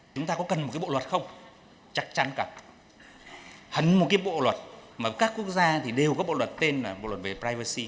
chúng ta có cần một cái bộ luật không chắc chắn cả hẳn một cái bộ luật mà các quốc gia thì đều có bộ luật tên là bộ luật về privacy